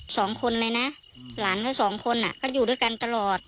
สองคนเลยนะหลานเขาสองคนอ่ะก็อยู่ด้วยกันตลอด